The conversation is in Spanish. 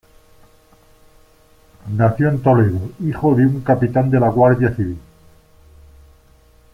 Nació en Toledo, hijo de un capitán de la Guardia Civil.